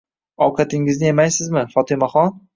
Ovqatingizni yemaysizmi, Fotimaxon?!